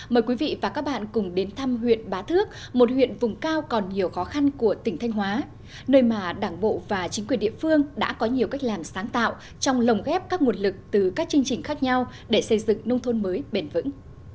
mời quý vị và các bạn cùng đến thăm huyện bá thước một huyện vùng cao còn nhiều khó khăn của tỉnh thanh hóa nơi mà đảng bộ và chính quyền địa phương đã có nhiều cách làm sáng tạo trong lồng ghép các nguồn lực từ các chương trình khác nhau để xây dựng nông thôn mới bền vững